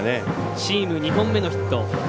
チーム、２本目のヒット。